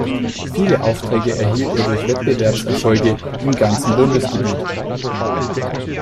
Viele Aufträge erhielt er durch Wettbewerbserfolge im ganzen Bundesgebiet.